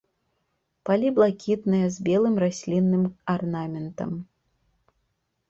Палі блакітныя з белым раслінным арнаментам.